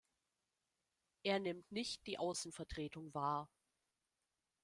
Er nimmt nicht die Außenvertretung war.